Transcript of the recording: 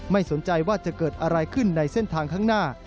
ไม่สนใจว่าจะเกิดอะไรขึ้นในเส้นทางข้างหน้า